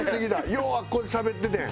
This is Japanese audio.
ようあそこでしゃべっててん。